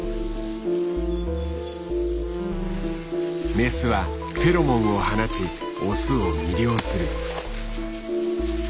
メスはフェロモンを放ちオスを魅了する。